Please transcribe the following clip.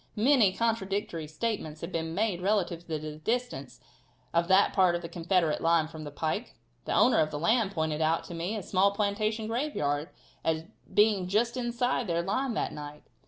Many contradictory statements have been made relative to the distance of that part of the Confederate line from the pike. The owner of the land pointed out to me a small plantation graveyard as being just inside their line that night.